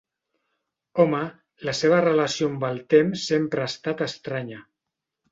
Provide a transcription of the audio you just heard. Home, la seva relació amb el temps sempre ha estat estranya.